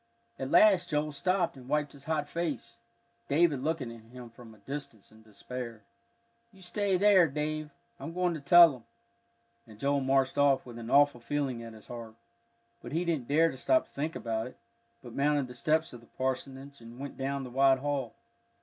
At last Joel stopped and wiped his hot face, David looking at him from a distance in despair. "You stay there, Dave, I'm going to tell 'em," and Joel marched off with an awful feeling at his heart. But he didn't dare to stop to think about it, but mounted the steps of the parsonage and went down the wide hall.